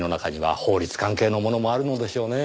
法律関係のものもあるのでしょうねぇ。